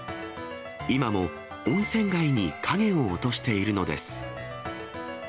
今も温泉街に影を落としているのです。